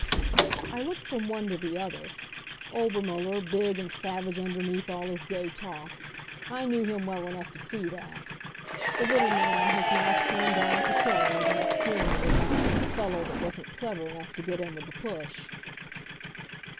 I looked from one to the other Obermuller, big and savage underneath all his gay talk, I knew him well enough to see that; the little man, his mouth turned down at the corners and a sneer in his eye for the fellow that wasn't clever enough to get in with the push.